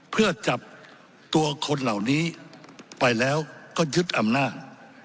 เพื่อจับตัวคนเหล่านี้ไปแล้วก็ยึดอำนาจ